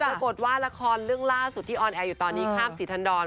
ปรากฏว่าละครเรื่องล่าสุดที่ออนแอร์อยู่ตอนนี้ข้ามศรีธันดร